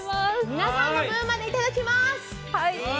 皆さんの分まで、いただきます！